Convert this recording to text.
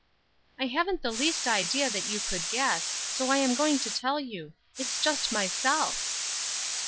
"I haven't the least idea that you could guess, so I am going to tell you; it's just myself."